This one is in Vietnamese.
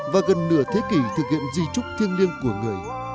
và gần nửa thế kỷ thực hiện di trúc thiêng liêng của người